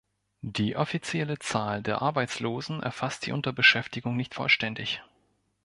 Die offizielle Zahl der Arbeitslosen erfasst die Unterbeschäftigung nicht vollständig.